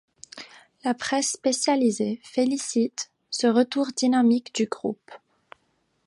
La presse spécialisée félicite se retour dynamique du groupe.